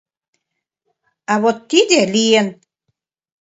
А вот тиде лийын.